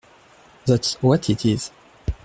That’s what it is!